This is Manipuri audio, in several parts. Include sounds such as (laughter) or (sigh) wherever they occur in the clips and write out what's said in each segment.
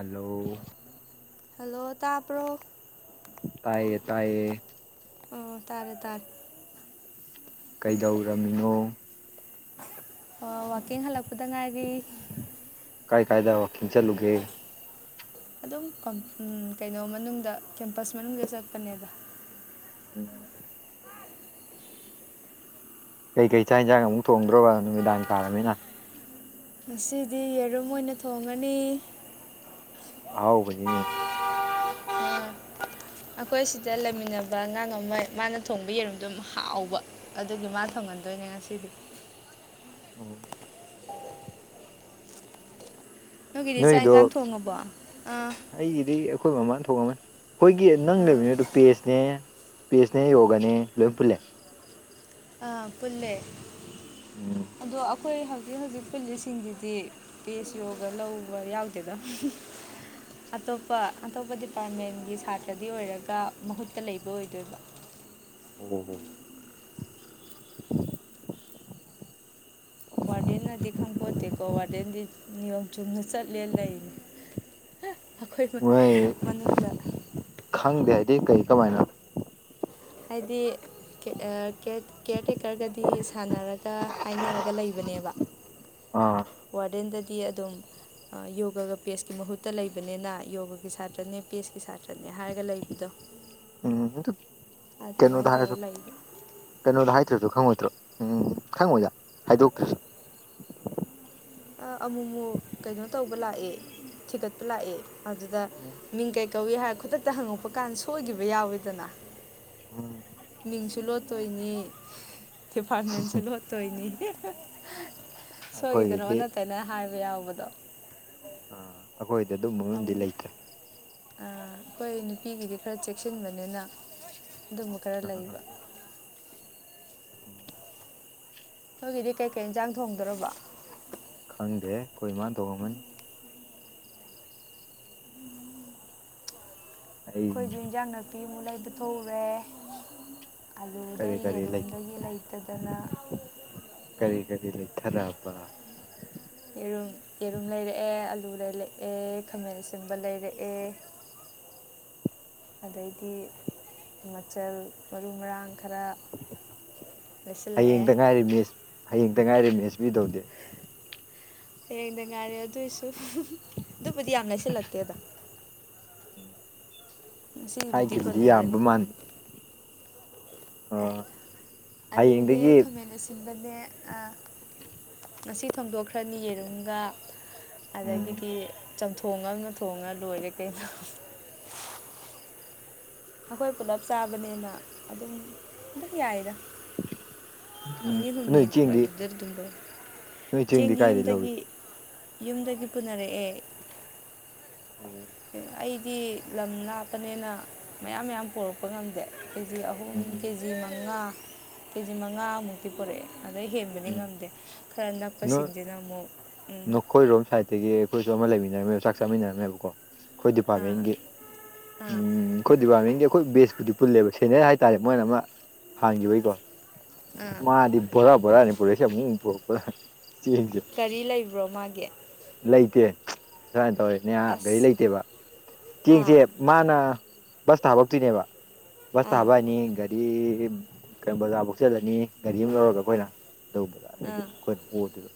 ꯍꯜꯂꯣ ꯍꯜꯂꯣ ꯇꯥꯕ꯭ꯔꯣ ꯇꯥꯏꯌꯦ ꯇꯥꯏꯌꯦ ꯑꯣ ꯇꯥꯔꯦ ꯇꯥꯔꯦ ꯀꯩꯗꯧꯔꯝꯃꯤꯅꯣ ꯑꯥ ꯋꯥꯛꯀꯤꯡ ꯍꯜꯂꯛꯄꯗ ꯉꯥꯏꯔꯤ ꯀꯥꯏ ꯀꯥꯏꯗ ꯋꯥꯀꯤꯡ ꯆꯠꯂꯨꯒꯦ ꯑꯗꯨꯝ ꯀꯩꯅꯣ ꯃꯅꯨꯡꯗ ꯀꯦꯝꯄꯁ ꯃꯅꯨꯡꯗ ꯆꯠꯄꯅꯤꯗ ꯎꯝ ꯀꯩꯀꯩ ꯆꯥꯛ ꯏꯟꯖꯥꯡ ꯑꯃꯨꯛ ꯊꯣꯡꯗ꯭ꯔꯣꯕ ꯅꯨꯃꯤꯗꯥꯡ ꯇꯥꯔꯃꯤꯅ ꯉꯁꯤꯗꯤ ꯌꯦꯔꯨꯝ ꯑꯣꯏꯅ ꯊꯣꯡꯉꯅꯤ ꯑꯍꯥꯎꯕꯅꯤꯅꯦ ꯑꯈꯣꯏ ꯁꯤꯗ ꯂꯩꯃꯤꯟꯅꯕ ꯑꯉꯥꯡ ꯑꯃ ꯃꯥꯅ ꯊꯣꯡꯕ ꯌꯦꯔꯨꯝꯗꯨꯝ ꯍꯥꯎꯕ ꯑꯗꯨꯒꯤ ꯃꯥ ꯊꯪꯍꯟꯗꯣꯏꯅꯦ ꯉꯁꯤꯗꯤ ꯑꯣ ꯅꯣꯏꯒꯤꯗꯤ ꯆꯥꯛ ꯅꯣꯏꯗꯣ ꯌꯦꯟꯁꯥꯡ ꯊꯣꯡꯉꯕꯣ ꯑꯥ ꯑꯩꯒꯤꯗꯤ ꯑꯩꯈꯣꯏ ꯃꯃꯥ ꯊꯣꯡꯉꯝꯃꯅꯤ ꯑꯈꯣꯏꯒꯤ ꯅꯪ ꯑꯥ ꯂꯩꯃꯤꯟꯅꯩꯗꯨ ꯄꯦꯁꯅꯦ ꯄꯤꯁꯅꯦ ꯌꯣꯒꯅꯦ ꯂꯣꯏ ꯄꯨꯜꯂꯦ ꯑꯥ ꯄꯨꯜꯂꯦ ꯎꯝ ꯑꯗꯨ ꯑꯈꯣꯏ ꯍꯧꯖꯤꯛ ꯍꯧꯖꯤꯛ ꯄꯨꯜꯂꯤꯁꯤꯡꯁꯤꯗꯤ ꯀꯦꯁ ꯌꯣꯒ ꯂꯧꯕ ꯌꯥꯎꯗꯦꯗ ꯑꯇꯣꯞꯄ ꯑꯇꯣꯞꯄ ꯗꯤꯄꯥꯔꯠꯃꯦꯟꯒꯤ ꯁꯥꯇ꯭ꯔꯗꯤ ꯑꯣꯏꯔꯒ ꯃꯍꯨꯠꯇ ꯂꯩꯕ ꯑꯣꯏꯗꯣꯏꯕ ꯑꯣ ꯑꯣ ꯋꯥꯔꯗꯦꯟꯅꯗꯤ ꯈꯪꯄꯣꯠꯇꯦꯀꯣ ꯋꯥꯔꯗꯦꯟꯗꯤ ꯅꯤꯌꯣꯝ ꯆꯨꯝꯅ ꯆꯠꯂꯦ ꯂꯩꯅꯤ ꯑꯈꯣꯏ ꯃꯣꯏ ꯃꯅꯨꯡꯗ ꯈꯪꯗꯦ ꯍꯥꯏꯗꯤ ꯀꯩ ꯀꯃꯥꯏꯅ ꯍꯥꯏꯗꯤ ꯑꯥ ꯀꯦ ꯀꯦꯌꯔ ꯇꯦꯀꯔꯒꯗꯤ ꯁꯥꯟꯅꯔꯒ ꯍꯥꯏꯅꯔꯒ ꯂꯩꯕꯅꯦꯕ ꯑꯥ ꯋꯥꯔꯗꯦꯟꯗꯗꯤ ꯑꯗꯨꯝ ꯌꯣꯒꯒ ꯄꯦꯁꯀꯤ ꯃꯍꯨꯠꯇ ꯂꯩꯕꯅꯤꯅ ꯌꯣꯒꯒꯤ ꯁꯥꯇ꯭ꯔꯅꯦ ꯄꯦꯁꯀꯤ ꯁꯥꯇ꯭ꯔꯅꯦ ꯍꯥꯏꯔꯒ ꯂꯩꯕꯤꯗꯣ ꯎꯝ ꯗꯨ ꯑꯗꯨꯃꯥꯏꯅ ꯀꯩꯅꯣꯗ ꯍꯥꯏꯔꯁꯨ ꯇꯧꯔ ꯂꯩꯕ ꯀꯩꯅꯣꯗꯣ ꯍꯥꯏꯗ꯭ꯔꯁꯨ ꯈꯪꯉꯣꯏꯗ꯭ꯔꯣ ꯎꯝ ꯈꯪꯉꯣꯏꯗ ꯍꯥꯏꯗꯣꯛꯇ꯭ꯔꯁꯨ ꯑꯃꯨꯛ ꯑꯃꯨꯛ ꯀꯩꯅꯣ ꯇꯧꯕ ꯂꯥꯛꯑꯦ ꯊꯤꯒꯠꯄ ꯂꯥꯛꯑꯦ ꯑꯗꯨꯗ (inaudible) (unintelligible) ꯃꯤꯡ ꯀꯩ ꯀꯧꯏ ꯍꯥꯏꯔ ꯈꯨꯗꯛꯇ ꯍꯪꯉꯛꯄ ꯀꯥꯟꯗ ꯁꯣꯏꯈꯤꯕ ꯌꯥꯎꯋꯤꯗꯅ ꯎꯝ ꯃꯤꯡꯁꯨ ꯂꯣꯠꯇꯣꯏꯅꯤ ꯗꯤꯄꯥꯔꯠꯃꯦꯟꯁꯨ ꯂꯣꯠꯇꯅꯤ ꯁꯣꯏꯅꯤ ꯁꯣꯏꯈꯤꯗꯣꯏꯅꯣ ꯑꯩꯈꯣꯏꯒꯤꯗꯤ ꯅ ꯇꯩꯅ ꯍꯥꯏꯕ ꯌꯥꯎꯕꯗꯣ ꯑꯥ ꯑꯩꯈꯣꯏꯗꯤ ꯑꯗꯨꯝ ꯑꯝ, ꯃꯔꯗꯤ ꯂꯩꯇ꯭ꯔꯦ ꯑꯩꯈꯣꯏ ꯅꯨꯄꯤꯒꯤꯗꯤ ꯈꯔ ꯆꯦꯛꯁꯤꯟꯕꯅꯤꯅ ꯑꯗꯨꯝꯕ ꯈꯔ ꯑꯥ ꯂꯩꯕ (inaudible) ꯅꯣꯏꯒꯤꯗꯤ ꯀꯩꯀꯩ ꯏꯟꯁꯥꯡ ꯊꯣꯡꯗꯔꯕ ꯈꯪꯗꯦ ꯑꯩꯈꯣꯏ ꯃꯥ ꯇꯣꯡꯉꯝꯃꯅꯤ ꯑꯩ ꯑꯩꯈꯣꯏꯁꯨ ꯏꯟꯖꯥꯡ ꯅꯥꯄꯤ ꯑꯃꯨꯛ ꯂꯩꯕꯊꯔꯦ ꯀꯔꯤ ꯑꯗꯨꯗꯩ ꯀꯔꯤ ꯂꯩ ꯌꯦꯔꯨꯝꯗꯒꯤ ꯂꯩꯇꯗꯅ ꯀꯔꯤ ꯀꯔꯤ ꯂꯩꯊꯔꯕ ꯌꯦꯔꯨꯝ ꯌꯦꯔꯨꯝ ꯂꯩꯔꯛꯑꯦ ꯑꯥꯂꯨ ꯂꯩꯔꯛꯑꯦ ꯑꯦ ꯈꯥꯃꯦꯟ ꯁꯤꯟꯕ ꯂꯩꯔꯛ ꯑꯦ ꯑꯗꯩꯗꯤ ꯃꯆꯜ ꯃꯔꯨ ꯃꯔꯥꯡ ꯈꯔ ꯂꯩꯁꯤꯜꯂꯛꯑꯦ (unintelligible) ꯍꯌꯦꯡꯇ ꯉꯥꯏꯔꯦꯅꯦ ꯑꯦꯁꯄꯤ ꯇꯧꯗꯦ ꯍꯌꯦꯡꯗ ꯉꯥꯏꯔꯦ ꯑꯗꯨꯑꯣꯏꯁꯨ ꯑꯗꯨꯕꯨꯗꯤ ꯌꯥꯝ ꯂꯩꯁꯤꯜꯂꯛꯇꯦꯗ ꯉꯁꯤꯒꯤꯕꯨꯗꯤ ꯍꯥꯏꯒꯤꯕꯗꯤ ꯌꯥꯝꯕ ꯀꯣꯟꯅꯔꯅꯤ ꯃꯥꯟ ꯑꯦ ꯑꯂꯨꯅꯦ ꯍꯌꯦꯡꯗꯒꯤ ꯈꯃꯦꯟ ꯑꯁꯤꯟꯕꯅꯦ ꯉꯁꯤ ꯊꯣꯡꯗꯣꯛꯈ꯭ꯔꯅꯤ ꯌꯦꯔꯨꯝꯒ ꯎꯝ ꯑꯗꯒꯤꯗꯤ ꯆꯝꯊꯣꯡ ꯉꯛꯅ ꯊꯣꯡꯉ ꯂꯣꯏꯔꯦ ꯀꯩꯅꯣ ꯑꯩꯈꯣꯏ ꯄꯨꯂꯞ ꯆꯥꯕꯅꯤꯅ ꯑꯗꯨꯝ ꯑꯗꯨꯝ ꯌꯥꯏꯗ ꯎꯝ ꯅꯨꯃꯤꯠ ꯍꯨꯝꯅꯤ ꯅꯣꯏ ꯑꯗꯨ ꯆꯦꯡꯗꯤ ꯑꯗꯨꯗ ꯑꯗꯨꯝ ꯂꯣꯏ ꯅꯣꯏ ꯆꯦꯡꯗꯤ ꯀꯥꯏꯗꯩ ꯂꯧꯏ ꯌꯨꯝꯗꯒꯤ ꯌꯨꯝꯗꯒꯤ ꯄꯨꯅꯔꯛꯑꯦ ꯎꯝ ꯀꯩ ꯑꯩꯗꯤ ꯂꯝ ꯅꯥꯞꯄꯅꯦꯅ ꯃꯌꯥꯝ ꯃꯌꯥꯝ ꯄꯣꯔꯛꯄ ꯉꯝꯗꯦ ꯀꯦꯖꯤ ꯑꯍꯨꯝ ꯎꯝ ꯎꯝ ꯀꯦꯖꯤ ꯃꯉꯥ ꯀꯦꯖꯤ ꯃꯉꯥꯑꯃꯨꯛꯇꯤ ꯄꯨꯔꯛꯑꯦ ꯑꯗꯩ ꯍꯦꯟꯕꯗꯤ ꯎꯝ ꯉꯝꯗꯦ ꯈꯔ ꯅꯣꯏ ꯅꯛꯄꯁꯤꯡꯁꯤꯅ ꯑꯃꯨꯛ ꯎꯝ ꯅꯈꯣꯏꯔꯣꯝ ꯁꯥꯏꯠꯇꯒꯤ ꯑꯩꯈꯣꯏꯁꯨ ꯑꯃ ꯂꯩꯃꯤꯟꯅꯔꯝꯃꯦꯕ ꯆꯥꯛ ꯆꯥꯃꯤꯟꯅꯔꯝꯃꯦꯕꯀꯣ ꯑꯩꯈꯣꯏ ꯑꯥ ꯗꯤꯄꯥꯔꯠꯃꯦꯟꯒꯤ ꯑꯥ ꯎꯝ ꯑꯩꯈꯣꯏ ꯗꯤꯄꯥꯔꯠꯃꯦꯟꯒꯤ ꯑꯩꯈꯣꯏ ꯕꯦꯁꯄꯨꯗꯤ ꯄꯨꯜꯂꯦꯕ ꯁꯦꯅꯤꯌ꯭ꯔ ꯍꯥꯏꯇꯥꯔꯦ ꯃꯣꯏꯅ ꯑꯃ ꯍꯥꯟꯒꯤꯕꯒꯤꯀꯣ ꯑꯥ ꯃꯥꯗꯤ ꯕꯣꯔꯥ ꯕꯣꯔꯥꯅꯤ ꯄꯨꯔꯛꯏꯁꯦ ꯑꯃꯨꯛ ꯑꯃꯨꯛ ꯄꯨꯔꯛꯄꯗ ꯆꯦꯡꯖꯦ ꯀꯔꯤ ꯂꯩꯕ꯭ꯔꯣ ꯃꯥꯒꯤ ꯂꯩꯇꯦ ꯁꯨꯃꯥꯏ ꯇꯧꯋꯦ ꯅꯦꯍꯥ ꯒꯥꯔꯤ ꯑꯁ ꯂꯩꯇꯦꯕ ꯑꯥ ꯆꯦꯡꯁꯦ ꯃꯥꯅ ꯕꯁꯇ ꯍꯥꯄꯛꯇꯨꯏꯅꯦꯕ ꯕꯁꯇ ꯑꯥ ꯍꯥꯞꯄꯛꯑꯅꯤ ꯒꯥꯔꯤ ꯑꯗꯒꯤ ꯈꯔꯡ ꯕꯖꯥꯔꯕꯧ ꯆꯜꯂꯅꯤ ꯒꯥꯔꯤ ꯑꯃ ꯂꯧꯔꯒ ꯑꯩꯈꯣꯏꯅ ꯑꯗꯨ ꯑꯥ ꯑꯩꯈꯣꯏꯅ ꯑꯣꯏꯗꯣꯏꯕ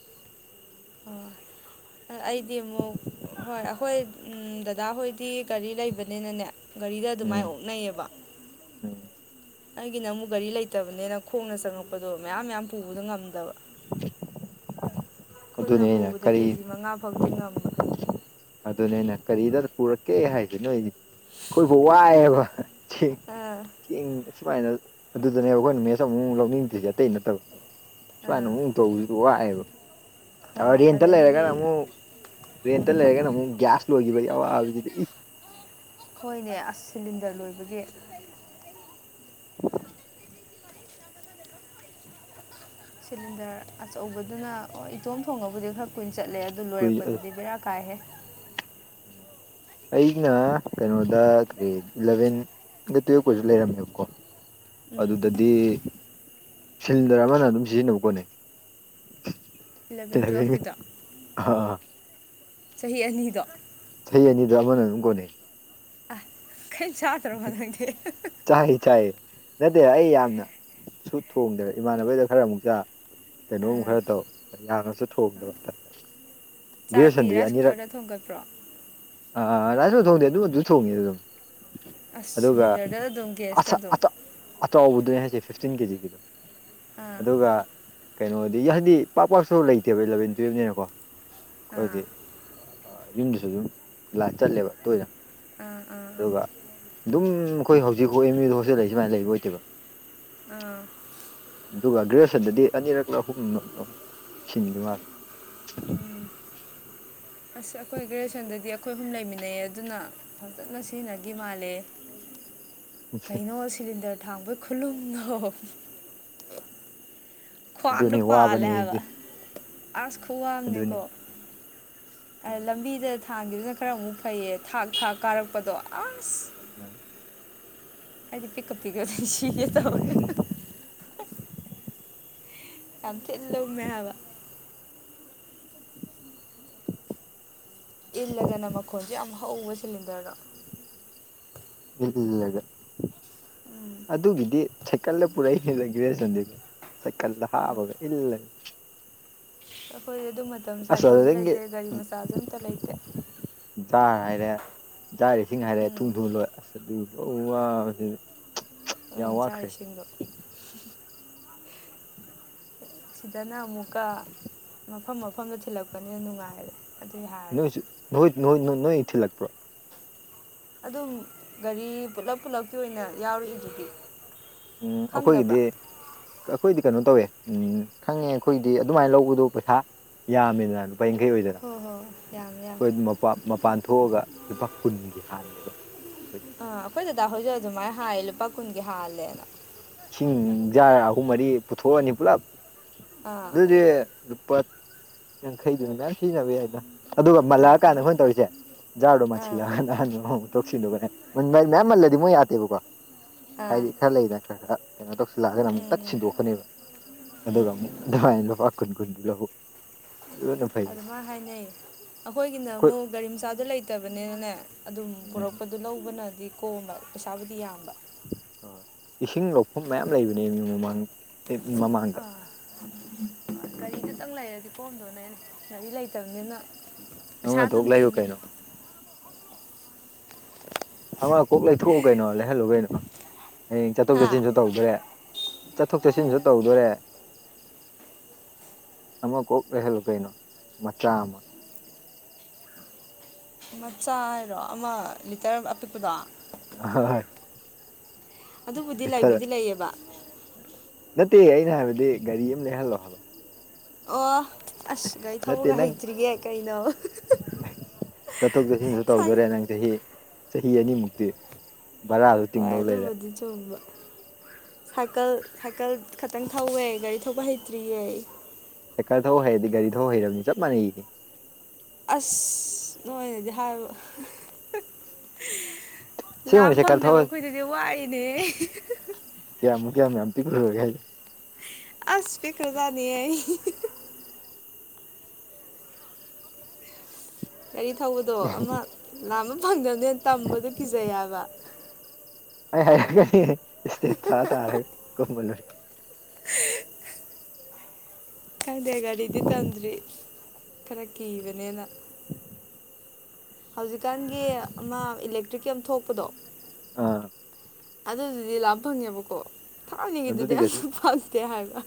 (inaudible) ꯑ ꯑꯩꯗꯤ ꯑꯃꯨꯛ ꯍꯣꯏ ꯑꯩꯈꯣꯏ ꯗꯗꯥꯍꯣꯏꯗꯤ ꯒꯥꯔꯤ ꯂꯩꯕꯅꯤꯅꯅꯦ ꯒꯥꯔꯤꯗ ꯑꯗꯨꯃꯥꯏ ꯎꯝ ꯑꯣꯛꯅꯩꯑꯕ ꯎꯝ ꯑꯩꯒꯤꯅ ꯑꯃꯨꯛ ꯒꯥꯔꯤ ꯂꯩꯇꯕꯅꯤꯅ ꯈꯣꯡꯅ ꯆꯪꯉꯛꯄꯗꯣ ꯃꯌꯥꯝ ꯃꯌꯥꯝ ꯄꯨꯕꯗꯣ ꯉꯝꯗꯕ ꯈꯨꯠꯅ ꯄꯨꯕꯗ ꯀꯦꯖꯤ ꯃꯉꯥꯐꯧꯗꯤ ꯉꯝꯕ ꯑꯗꯨꯅꯤꯅ ꯀꯔꯤꯗ ꯄꯨꯔꯛꯀꯦ ꯍꯥꯏꯗꯣ ꯅꯣꯏꯗꯤ ꯑꯈꯣꯏꯐꯧ ꯋꯥꯏ‌ ꯍꯥꯏꯕ ꯑꯥ ꯆꯦꯡ ꯑꯁꯨꯃꯥꯏꯅ ꯑꯗꯨꯗꯅꯦ ꯑꯩꯈꯣꯏꯅ ꯃꯦꯠꯆ ꯑꯃꯨꯛ ꯑꯃꯨꯛ ꯂꯧꯅꯤꯡꯗꯤꯖꯦ ꯑꯇꯩ ꯅꯠꯇꯕ ꯁꯨꯃꯥꯏꯅ ꯑꯥ ꯑꯃꯨꯛ ꯑꯃꯨꯛ ꯇꯧꯕꯖꯤꯗꯤ ꯋꯥꯏꯑꯦꯕ ꯑꯗꯣ ꯍꯣꯏ ꯔꯦꯟꯇ ꯑꯗꯒꯤꯗꯤ ꯂꯩꯔꯒꯅ ꯑꯃꯨꯛ ꯏꯟꯇ ꯎꯝ ꯂꯩꯔꯒꯅ ꯑꯃꯨꯛ ꯒ꯭ꯌꯥꯁ ꯂꯣꯏꯒꯤꯕꯒꯤ ꯑꯋꯥꯕꯖꯤꯗꯤ ꯏꯁ ꯍꯣꯏꯅꯦ ꯑꯁ ꯁꯤꯂꯤꯟꯗ꯭ꯔ ꯂꯣꯏꯕꯒꯤ ꯁꯤꯂꯤꯟꯗ꯭ꯔ ꯑꯆꯧꯕꯗꯨꯅ ꯑꯣ ꯏꯇꯣꯝ ꯊꯣꯡꯉꯕꯨꯗꯤ ꯈꯔ ꯀꯨꯏ ꯆꯠꯂꯦ ꯑꯗꯨ ꯀꯨꯏ ꯑꯁ ꯂꯣꯏꯔꯛꯄꯗꯗꯤ ꯕꯦꯔꯥ ꯀꯥꯏꯍꯦ ꯑꯩꯅ ꯀꯩꯅꯣꯗ ꯀꯔꯤ ꯏꯂꯚꯦꯟꯒ ꯇꯨꯌꯦꯞꯀꯖꯨ ꯂꯩꯔꯝꯃꯦꯕꯀꯣ ꯎꯝ ꯑꯗꯨꯗꯗꯤ ꯁꯤꯂꯤꯟꯗ꯭ꯔ ꯑꯃꯅ ꯑꯗꯨꯝ ꯁꯤꯖꯤꯟꯅꯕ ꯀꯣꯟꯅꯩ ꯏꯂꯚꯦꯟ ꯏꯂꯚꯦꯟꯒꯤ ꯇꯨꯋꯦꯜꯐꯀꯤꯗꯣ ꯆꯍꯤ ꯑꯅꯤꯗꯣ ꯆꯍꯤ ꯑꯅꯤꯗ ꯑꯃꯅ ꯑꯗꯨꯝ ꯀꯣꯟꯅꯩ ꯑꯥꯏ ꯈꯩ ꯆꯥꯗ꯭ꯔꯕꯣ ꯅꯪꯗꯤ ꯆꯥꯏꯌꯦ ꯆꯥꯏꯌꯦ ꯅꯠꯇꯦ ꯑꯩ ꯌꯥꯝꯅ ꯁꯨ ꯊꯣꯡꯗ꯭ꯔꯦ ꯏꯃꯥꯟꯅꯕꯩꯗ ꯈꯔ ꯑꯃꯨꯛ ꯆꯥ ꯀꯩꯅꯣ ꯑꯃꯨꯛ ꯑꯥ ꯈꯔ ꯇꯧ ꯌꯥꯝꯅꯁꯨ ꯊꯣꯡꯗꯕ ꯆꯥꯛꯇꯤ ꯒ꯭ꯔꯦꯖꯨꯑꯦꯁꯟꯗꯗꯤ ꯔꯥꯏꯁ ꯀꯨꯀ꯭ꯔꯗ ꯊꯣꯡꯒꯠꯄ꯭ꯔꯣ ꯑꯥ ꯔꯥꯏꯖꯀꯨ ꯊꯣꯡꯗꯦ ꯑꯗꯨ ꯑꯗꯨ ꯊꯣꯡꯉꯦ ꯑꯗꯨꯝ ꯑꯁ ꯑꯗꯨꯒ ꯁꯤꯂꯤꯟꯗꯔꯗ ꯑꯗꯨꯝ ꯒ꯭ꯌꯥꯁꯇ ꯑꯆꯥ ꯑꯗꯨꯝ ꯑꯇꯞ ꯑꯆꯥꯎꯕꯗꯨꯅꯦ ꯍꯥꯏꯁꯦ ꯐꯤꯐꯇꯤꯟ ꯀꯦꯖꯤꯒꯤꯗꯣ ꯑꯥ ꯑꯗꯨꯒ ꯀꯩꯅꯣꯗꯤ ꯍꯥꯏꯗꯤ ꯄꯥꯛ ꯄꯥꯛꯁꯨ ꯂꯩꯇꯦꯕ ꯏꯂꯚꯦꯟ ꯇꯨꯋꯦꯜꯞꯅꯤꯅꯀꯣ ꯑꯥ ꯑꯩꯈꯣꯏꯒꯤ ꯌꯨꯝꯗꯨꯁꯨ ꯑꯗꯨꯝ ꯂꯥ ꯆꯠꯂꯦꯕ ꯇꯣꯏꯅ ꯑ ꯑꯗꯨꯒ ꯑꯗꯨꯝ ꯑꯩꯈꯣꯏ ꯍꯧꯖꯤꯛ ꯍꯥꯎ ꯑꯦꯝ ꯌꯨꯗ ꯍꯣꯁꯇꯦꯜ ꯂꯩ ꯁꯨꯃꯥꯏꯅ ꯂꯩꯕ ꯑꯣꯏꯇꯦꯕ ꯑꯥ ꯑꯗꯨꯒ ꯒ꯭ꯔꯦꯖꯨꯦꯁꯟꯗꯗꯤ ꯑꯅꯤꯔꯛ ꯑꯍꯨꯝ ꯁꯤꯟꯈꯤꯕ ꯃꯥꯂꯦ ꯑꯁ ꯑꯩꯈꯣꯏ ꯒ꯭ꯔꯦꯖꯨꯌꯦꯁꯟꯗꯗꯤ ꯑꯩꯈꯣꯏ ꯑꯍꯨꯝ ꯂꯩꯃꯤꯟꯅꯩꯌꯦ ꯑꯗꯨꯅ ꯐꯖꯅ ꯁꯤꯖꯤꯟꯅꯈꯤ ꯃꯥꯜꯂꯦ ꯀꯩꯅꯣ ꯁꯤꯂꯤꯟꯗꯔ ꯊꯥꯡꯕꯩ ꯈꯨꯂꯨꯝꯅꯣ ꯈꯨ꯭ꯡꯗ ꯑꯗꯨꯅꯤ ꯄ ꯋꯥꯕꯅꯤ ꯂꯦꯕ ꯑꯗꯨꯗꯤ ꯑꯁ ꯑꯗꯨꯅꯤ ꯈꯣꯍꯅꯤꯀꯣ ꯎꯝ ꯂꯝꯕꯤꯗ ꯊꯥꯡꯒꯤꯗꯨꯅ ꯈꯔ ꯑꯃꯨꯛ ꯐꯩꯌꯦ ꯊꯥꯛ ꯊꯥꯛ ꯀꯥꯔꯛꯄꯗꯣ ꯑꯁ ꯑꯝ ꯍꯥꯏꯗꯤ ꯄꯤꯛꯀꯞ ꯄꯤꯛꯒꯗ ꯁꯤꯒꯦ ꯇꯧ ꯌꯥꯝ ꯊꯤꯠ ꯂꯧꯃꯦ ꯍꯥꯏꯕ ꯏꯜꯂꯒꯅ ꯃꯈꯣꯟꯁꯦ ꯌꯥꯝ ꯍꯧꯕ ꯁꯤꯂꯤꯟꯗꯔꯗꯣ ꯏꯒ ꯎꯝ ꯑꯗꯨꯒꯤꯗꯤ ꯁꯥꯏꯀꯜꯗ ꯄꯨꯔꯛꯖꯈꯤꯕꯔꯦ ꯁꯟꯗꯦ ꯁꯥꯏꯀꯜꯗ ꯍꯥꯕꯒ ꯏꯜ ꯑꯩꯈꯣꯏ ꯑꯗꯨ ꯃꯇꯝ ꯑꯁ ꯁꯥꯏꯀꯜꯁꯨ ꯑꯗꯨꯗꯒꯤ ꯂꯩꯇꯦ ꯒꯥꯔꯤ ꯃꯆꯥꯁꯨ ꯑꯝꯇ ꯂꯩꯇꯦ ꯖꯥꯔ ꯍꯥꯏꯔꯦ ꯖꯥꯔ ꯏꯁꯤꯡ ꯍꯥꯏꯔꯦ ꯎꯝ ꯊꯨꯡ ꯊꯨ ꯂꯣꯏ ꯑꯁ ꯋꯥ ꯏ ꯆ ꯏꯁꯤꯗꯨꯣ ꯁꯤꯗꯅ ꯑꯃꯨꯛꯀ ꯃꯐꯝ ꯃꯐꯝꯗ ꯊꯤꯜꯂꯛꯄꯅꯤꯅ ꯅꯨꯡꯉꯥꯏꯔꯦ ꯑꯗꯨꯏ ꯍꯥꯏꯔꯗꯤ ꯅꯣꯏꯁꯨ ꯅꯣꯏ ꯅꯣꯏ ꯅꯣꯏ ꯏ ꯊꯤ ꯂꯥꯛꯄ꯭ꯔꯣ ꯑꯗꯨꯝ ꯒꯥꯔꯤ ꯄꯨꯂꯞ ꯄꯨꯂꯞꯀꯤ ꯑꯣꯏꯅ ꯌꯥꯎꯔꯛꯏꯗꯨꯗꯤ ꯎꯝ ꯈꯪꯗꯕ꯭ꯔꯥ ꯑꯩꯈꯣꯏꯒꯤꯗꯤ ꯑꯩꯈꯣꯏꯗꯤ ꯀꯩꯅꯣ ꯇꯧꯋꯦ ꯎꯝ ꯈꯪꯉꯦ ꯑꯩꯈꯣꯏꯗꯤ ꯑꯗꯨꯃꯥꯏꯅ ꯂꯧꯕꯗꯣ ꯄꯩꯁꯥ ꯌꯥꯝꯃꯤꯃꯦꯅ ꯂꯨꯄꯥ ꯌꯥꯡꯈꯩ ꯑꯣꯏꯗꯣꯏꯅ ꯍꯣꯏ ꯍꯣꯏ ꯌꯥꯝꯃꯦ ꯌꯥꯝꯃꯦ ꯣꯏ ꯃꯄꯥꯟ ꯊꯣꯛꯑꯒ ꯂꯨꯄꯥ ꯀꯨꯟꯒꯤ ꯍꯥꯟꯅꯦꯕ ꯑꯩꯈꯣꯏꯗꯤ ꯑꯥ ꯑꯩꯈꯣꯏ ꯗꯗꯥ ꯍꯧꯣꯏꯖꯤꯛ ꯑꯗꯨꯃꯥꯏꯅ ꯍꯥꯏꯌꯦ ꯂꯨꯄꯥ ꯀꯨꯟꯒꯤ ꯍꯥꯜꯂꯦꯅ ꯏꯁꯤꯡꯖꯥ ꯑꯍꯨꯝ ꯃꯔꯤ ꯄꯨꯊꯣꯛꯑꯅꯤ ꯄꯨꯂꯞ ꯑꯥ ꯑꯗꯨꯗꯤ ꯂꯨꯄꯥ ꯌꯥꯡꯈꯩꯗꯨꯅ ꯃꯌꯥꯝ ꯁꯤꯖꯤꯟꯅꯕ ꯌꯥꯏꯗ ꯑꯗꯨꯒ ꯑꯥ ꯃꯜꯂꯛꯑꯀꯥꯟꯗ ꯑꯩꯈꯣꯏꯅ ꯇꯧꯔꯤꯁꯦ ꯖꯥꯔꯗꯣ ꯑꯥ ꯑꯥ ꯃꯥꯥꯟꯁꯤꯜꯂꯒ ꯑꯍꯟꯕ ꯑꯃꯃꯨꯛ ꯇ‌ꯣꯛ ꯁꯤꯟꯗ‌ꯣꯛꯀꯅꯤ ꯃꯟꯕ ꯍꯥꯏ ꯃꯌꯥꯝ ꯃꯜꯂꯗꯤ ꯃꯣꯏ ꯌꯥꯗꯦꯕꯀꯣ ꯑꯥ ꯍꯥꯏꯗꯤ ꯈꯔ ꯂꯩꯗꯅ ꯈꯔ ꯈꯔ ꯀꯩꯅꯣ ꯇꯧꯁꯤꯜꯂꯛꯑꯒꯅ ꯑꯃꯨꯛ ꯇꯛ ꯎꯝ ꯁꯤꯟꯗꯣꯛꯀꯅꯦꯕ ꯎꯝ ꯑꯗꯨꯒ ꯑꯃꯨꯛ ꯎꯝ ꯑꯗꯨꯃꯥꯏꯅ ꯂꯨꯄꯥ ꯀꯨꯟ (unintelligible) ꯑꯗꯨꯅ ꯐꯩ ꯑꯗꯨꯃꯥꯏ ꯍꯥꯏꯅꯩ ꯑꯩꯈꯣꯏꯒꯤꯅ ꯑꯩꯈꯣꯏ ꯑꯃꯨꯛ ꯒꯥꯔꯤ ꯃꯆꯥꯗꯣ ꯂꯩꯇꯕꯅꯤꯅꯅ‌ꯦ ꯑꯗꯨꯝ ꯎꯝ ꯄꯨꯔꯛꯄꯗ ꯑꯗꯨ ꯂꯧꯕꯅꯗꯤ ꯀꯣꯝꯕ ꯄꯩꯁꯥꯕꯨꯗꯤ ꯌꯥꯝꯕ ꯑ ꯏꯁꯤꯡ ꯂꯧꯐꯝ ꯃꯌꯥꯝ ꯂꯩꯕꯅꯦ ꯑꯦꯝꯌꯨ ꯃꯃꯥꯡ ꯑꯦꯝꯌꯨ ꯃꯃꯥꯡꯗ ꯑꯥ ꯒꯥꯔꯤ ꯗꯨꯇꯪ ꯂꯩꯔꯗꯤ ꯀꯣꯝꯗꯧꯅꯦ ꯒꯥꯔꯤ ꯂꯩꯇꯕꯅꯤꯅ ꯄꯩꯁꯥ ꯑꯃ ꯊꯣꯛ ꯑꯗꯨꯝ ꯂꯩꯌꯨ ꯇꯤꯡꯉꯤ ꯀꯩꯅꯣ ꯑꯃ ꯀꯣꯛ ꯂꯩꯊꯣꯛꯎ ꯀꯩꯅꯣ ꯂꯩꯍꯜꯂꯨ ꯀꯩꯅꯣ ꯍꯌꯦꯡ ꯆꯠꯊꯣꯛ ꯍꯥ ꯆꯠꯁꯤꯟ ꯇꯧꯗ꯭ꯔꯦ ꯆꯠꯊꯣꯛ ꯆꯠꯁꯤꯟꯁꯨ ꯇꯧꯗꯣꯔꯦ ꯑꯃ ꯀꯣꯛ ꯂꯩꯍꯜꯂ‌ꯣ ꯀꯩꯅꯣ ꯃꯆꯥ ꯑꯃ ꯃꯆꯥ ꯍꯥꯏꯔꯣ ꯑꯃ ꯂꯤꯇꯔ ꯑꯄꯤꯛꯄꯗꯣ ꯍꯣꯏ ꯍꯣꯏ ꯑꯗꯨꯕꯨꯗꯤ ꯂꯩꯕꯨꯗꯤ ꯂꯩꯌꯦꯕ ꯅꯠꯇꯦ ꯑꯩꯅ ꯍꯥꯏꯕꯗꯤ ꯒꯥꯔꯤ ꯑꯃ ꯂꯩꯍꯜꯂꯣ ꯍꯥꯏꯕ ꯑꯣ ꯑꯁ ꯒꯥꯔꯤ ꯅꯠꯇꯦ ꯊꯧꯕꯒ ꯅꯪ ꯍꯩꯇ꯭ꯔꯤꯌ‌ꯦ ꯀꯩꯅꯣ ꯆꯠꯊꯣꯛ ꯆꯠꯁꯤꯟꯁꯨ ꯁꯥꯏ ꯇꯧꯗꯣꯔꯦ ꯅꯪ ꯆꯍꯤ ꯆꯍꯤ ꯑꯅꯤꯃꯨꯛꯇꯤ ꯚꯔꯥꯁꯨ ꯍꯣꯏ ꯇꯤꯡꯗꯧ ꯂꯩꯔꯦ ꯑꯗꯨꯕꯨꯗꯤ ꯆꯨꯝꯕ ꯁꯥꯏꯀꯜ ꯁꯥꯏꯀꯜ ꯈꯛꯇꯪ ꯊꯧꯋꯦ ꯒꯥꯔꯤ ꯊꯧꯕ ꯍꯩꯇ꯭ꯔꯤꯌꯦ ꯁꯥꯏꯀꯜ ꯊꯧ ꯍꯩꯔꯗꯤ ꯒꯥꯔꯤ ꯊꯧ ꯍꯩꯔꯕꯅꯤ ꯆꯞ ꯃꯥꯟꯅꯩꯌ‌ꯦ ꯑꯁ ꯅꯣꯏꯅꯗꯤ ꯍꯥꯏꯕ ꯂꯥꯝ ꯑꯁꯦꯡꯕꯅꯤ ꯁꯥꯏꯀꯜ ꯊꯧ ꯐꯪꯗꯕ ꯑꯩꯈꯣꯏꯗꯗꯤ ꯋꯥꯏꯅꯦꯍ‌ꯦ ꯀꯌꯥꯃꯨꯛ ꯀꯌꯥꯝ ꯌꯥꯝ ꯄꯤꯛꯂꯨꯔꯒ‌ꯦ ꯍꯥꯏꯁꯤ ꯑꯁ ꯄꯤꯛꯈ꯭ꯔꯖꯥꯠꯅꯤ ꯑꯩ ꯒꯥꯔꯤ ꯊꯧꯕꯗꯣ ꯑꯃ ꯂꯥꯝꯕ ꯐꯪꯗꯕꯅꯤꯅ ꯇꯝꯕꯗ‌ꯣ ꯀꯤꯖꯩ ꯍꯥꯏꯕ ꯑꯩ ꯍꯥꯏꯔꯛꯒꯅꯤ ꯏꯁꯇꯦꯟ ꯊꯥ ꯊꯥꯔꯒ ꯀꯨꯝꯃ ꯂ‌ꯣꯏꯔ‌ꯦ (unintelligible) ꯈꯪꯗꯦ ꯒꯥꯔꯤꯗꯤ ꯇꯝꯗ꯭ꯔꯤ ꯈꯔ ꯀꯤꯕꯅꯦꯅ ꯍꯧꯖꯤꯛꯀꯥꯟꯒꯤ ꯑꯃ ꯏꯂꯦꯛꯇ꯭ꯔꯤꯛꯀꯤ ꯑꯃ ꯊꯣꯛꯄꯗꯣ ꯑꯥ ꯑꯗꯨꯗꯨꯗꯤ ꯂꯥꯝ ꯐꯪꯉꯦꯕꯀꯣ ꯊꯥꯏꯅꯒꯤꯗꯨꯗꯤ ꯑꯗꯨꯗꯤ ꯑ ꯀꯩꯁꯨ ꯐꯪꯗꯦ ꯍꯥꯏꯕ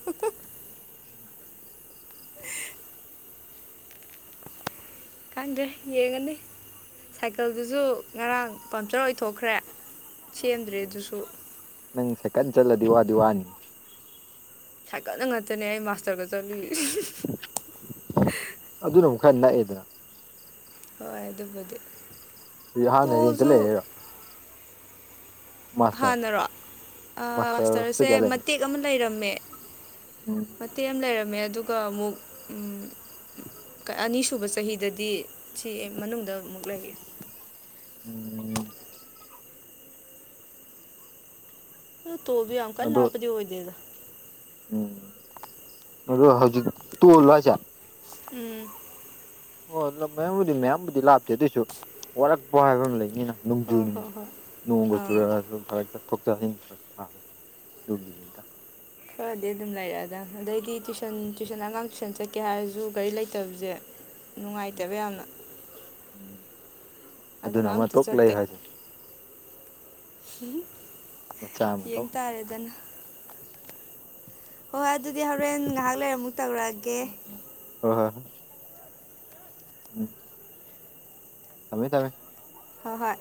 (unintelligible) ꯈꯪꯗ‌ꯦ ꯌꯦꯡꯉꯅꯤ ꯁꯥꯏꯀꯜꯗꯨꯁꯨ ꯉꯔꯥꯡ ꯄꯝꯆꯔ ꯑꯣꯏꯊꯣꯛꯈ꯭ꯔꯦ ꯁꯦꯝꯗ꯭ꯔꯦ ꯑꯗꯨꯁꯨ ꯅꯪ ꯁꯥꯏꯀꯜ ꯆꯠꯂꯗꯤ ꯋꯥꯗꯤ ꯋꯥꯅꯤ ꯁꯥꯏꯀꯜꯗ ꯉꯥꯇꯅꯦ ꯑꯩ ꯃꯥꯁ (unintelligible) ꯑꯗꯨꯅ ꯑꯃꯨꯛ ꯈꯔ ꯅꯛꯑꯦꯗꯅ ꯍꯣꯏ ꯑꯗꯨꯕꯨꯗꯤ ꯍꯧ ꯍꯥꯟꯅ ꯔ‌ꯦꯟꯇ ꯇꯣꯜꯁꯨ ꯂꯩꯔꯩꯔ‌ꯣ ꯃꯥꯁꯇꯔ ꯍꯥꯟꯅꯔꯣ ꯃꯥꯁꯇꯔ ꯍꯣꯁꯇꯦꯜ ꯃꯥꯁꯇꯔꯁꯦ ꯀꯌꯥ ꯂꯩꯔꯝꯃꯤ ꯃꯇꯦꯛ ꯑꯃ ꯂꯩꯔꯝꯃꯦ ꯎꯝ ꯃꯇꯦꯛ ꯑꯃ ꯂꯩꯔꯝꯃꯦ ꯑꯗꯨꯒ ꯑꯃꯨꯛ ꯑꯅꯤꯁꯨꯕ ꯆꯍꯤꯗꯗꯤ ꯁꯤ ꯑꯩ ꯃꯅꯨꯡꯗ ꯑꯃꯨꯛ ꯂꯩ ꯎꯝ ꯇꯣꯜ ꯗ‌ꯣ ꯌꯥꯝ ꯀꯟ ꯑꯗꯣ ꯂꯥꯞꯄꯗꯤ ꯑꯣꯏꯗ‌ꯦꯗ ꯎꯝ ꯑꯗꯨ ꯍꯧꯖꯤꯛ ꯇꯣꯜꯂ ꯍꯥꯏꯁꯦ ꯎꯝ ꯑꯣ ꯂꯝ ꯃꯌꯥꯝꯕꯨꯗꯤ ꯃꯌꯥꯝꯕꯨꯗꯤ ꯂꯥꯞꯇꯦ ꯑꯗꯨꯑꯣꯏꯁꯨ ꯋꯥꯔꯛꯄ ꯍꯥꯏꯕ ꯑꯃ ꯂꯩꯅꯤꯅ ꯅꯨꯡꯖꯨ ꯍꯣꯏ ꯍꯣꯏ ꯍꯣꯏ ꯅꯣꯡꯒ ꯆꯨꯔꯛ ꯑꯥ ꯒꯥ ꯐꯔꯛ ꯆꯠ ꯊꯣꯛ ꯆꯥꯁꯤꯟ ꯐꯔꯛ ꯇꯥꯕ ꯑꯗꯨꯒꯤꯅꯤꯗ ꯐꯔꯗꯤ ꯑꯗꯨꯝ ꯂꯩꯔꯛꯑ ꯗ ꯑꯗꯩꯗꯤ ꯇꯨꯏꯁꯟ ꯇꯨꯏꯁꯟ ꯑꯉꯥꯡ ꯇꯨꯏꯁꯟ ꯆꯠꯀꯦ ꯍꯥꯏꯔꯁꯨ ꯒꯥꯔꯤ ꯂꯩꯇꯕꯁꯦ ꯅꯨꯡꯉꯥꯏꯇꯕ ꯌꯥꯝꯅ ꯎ ꯑꯗꯨꯅ ꯑꯃ ꯑꯝꯇ ꯇꯣꯀ ꯂꯥꯏ ꯆꯠꯇꯦ ꯍꯥꯏꯁꯦ ꯃꯆꯥ ꯑꯃ ꯇꯣꯛ ꯌꯦꯡ ꯇꯥꯔꯦꯗꯅ ꯍꯣꯏ ꯍꯣꯏ ꯑꯗꯨꯗꯤ ꯍꯣꯔꯦꯟ ꯉꯥꯏꯍꯥꯛ ꯂꯩꯔꯃꯨꯛ ꯇꯧꯔꯛꯑꯒꯦ ꯍ ꯍꯣꯏ ꯍ ꯎꯝ ꯊꯃꯦ ꯊꯃꯦ ꯍ ꯍꯣꯏ